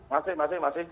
masih masih masih